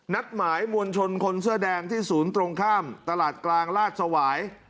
นัดหมายมวลชนคนเสื้อแดงที่ศูนย์ตรงข้ามตลาดกลางราชสวาย